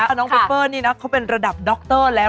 คุณแปเปอร์นี่นะเขาเป็นระดับด้อเตอร์แล้ว